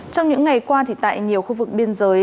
trong những ngày qua tại nhiều khu vực biên giới